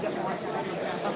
juga mengucapkan tentang